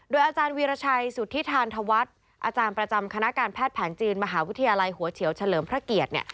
อาจารย์วีรชัยสุธิธานธวัฒน์อาจารย์ประจำคณะการแพทย์แผนจีนมหาวิทยาลัยหัวเฉียวเฉลิมพระเกียรติเนี่ย